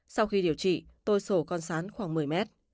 sau khi điều trị tôi sổ con sán khoảng một mươi mét